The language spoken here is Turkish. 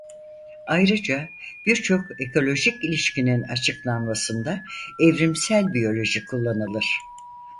Ayrıca birçok ekolojik ilişkinin açıklanmasında evrimsel biyoloji kullanılır.